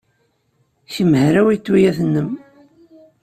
Kemm hrawit tuyat-nnem.